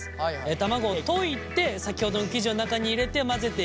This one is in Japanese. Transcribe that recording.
卵を溶いて先ほどの生地の中に入れて混ぜていきます。